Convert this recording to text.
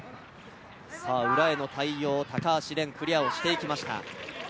裏への対応、高橋蓮、クリアをしていきました。